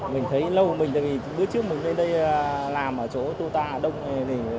mình thấy lâu mình thì bữa trước mình lên đây làm ở chỗ tô ta đông nghề